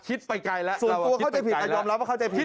คิดไปไกลแล้ว